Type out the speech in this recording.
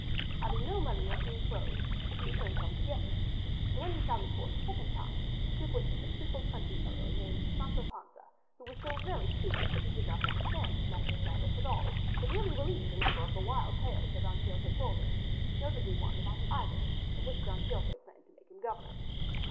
Having no money or clean clothes he returned home to get these things, and when he sallied forth a second time he took with him a simple country fellow named Sancho Panza, who was so very stupid that he did not understand his master's madness at all but really believed a number of the wild tales that Don Quixote told him, notably one about an island of which Don Quixote planned to make him governor.